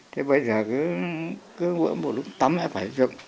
thế bây giờ cứ mỗi một lúc tắm lại phải dựng